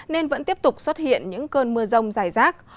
nên vẫn tiếp tục xuất hiện những cơn mưa rông dài rác